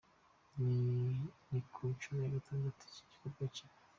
Ni ku nshuro ya gatandatu iki gikorwa kiba.